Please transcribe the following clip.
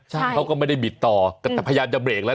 ใช่เขาก็ไม่ได้บิดต่อแต่พยายามจะเบรกแล้ว